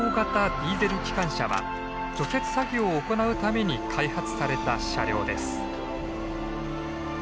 ディーゼル機関車は除雪作業を行うために開発された車両です。